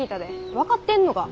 分かってんのか。